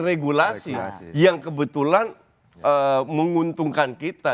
regulasi yang kebetulan menguntungkan kita